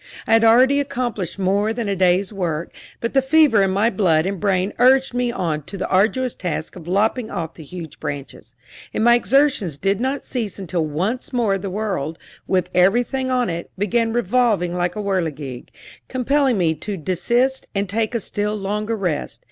I had already accomplished more than a day's work, but the fever in my blood and brain urged me on to the arduous task of lopping off the huge branches; and my exertions did not cease until once more the world, with everything on it, began revolving like a whirligig, compelling me to desist and take a still longer rest.